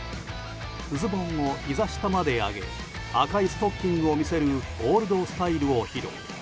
ズボンをひざ下まで上げ赤いストッキングを見せるオールドスタイルを披露。